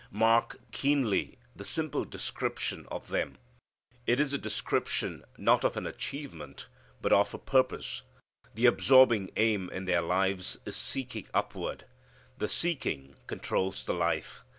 Mark keenly the simple description of them. It is a description, not of an achievement, but of a purpose. The absorbing aim in their lives is seeking upward. The seeking controls the life.